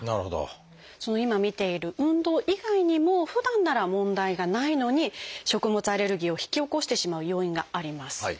今見ている運動以外にもふだんなら問題がないのに食物アレルギーを引き起こしてしまう要因があります。